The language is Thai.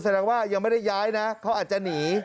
แสดงว่ายังไม่ได้ย้ายนะเขาอาจจะหนี